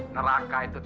neraka itu tepat